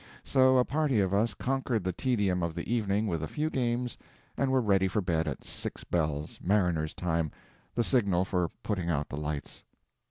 So a party of us conquered the tedium of the evening with a few games and were ready for bed at six bells, mariner's time, the signal for putting out the lights.